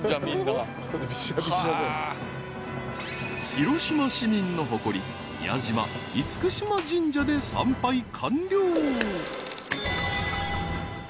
［広島市民の誇り宮島嚴島神社で参拝完了］